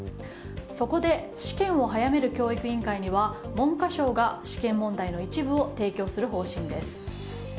そこで試験を早める教育委員会には文科省が試験問題の一部を提供する方針です。